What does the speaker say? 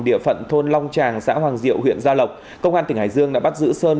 địa phận thôn long tràng xã hoàng diệu huyện gia lộc công an tỉnh hải dương đã bắt giữ sơn